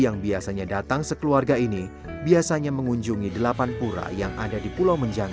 yang biasanya datang sekeluarga ini biasanya mengunjungi delapan pura yang ada di pulau menjangan